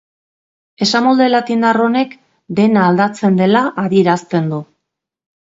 Esamolde latindar honek dena aldatzen dela adierazten du.